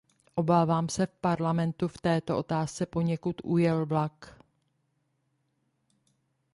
Obávám se Parlamentu v této otázce poněkud ujel vlak.